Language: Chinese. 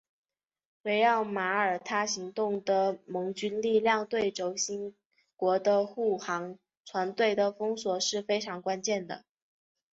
围绕马耳他行动的盟军力量对轴心国的护航船队的封锁是非常关键的。